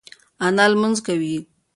انا لمونځ کوي.